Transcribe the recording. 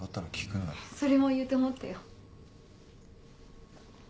それも言うと思ったよ。